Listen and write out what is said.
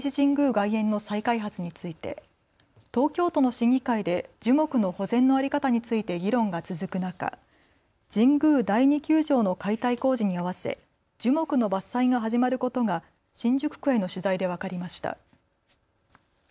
外苑の再開発について東京都の審議会で樹木の保全の在り方について議論が続く中、神宮第二球場の解体工事に合わせ樹木の伐採も始まることが新宿区への取材で分かりました。